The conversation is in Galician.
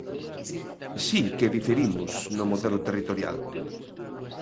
Si que diferimos no modelo territorial.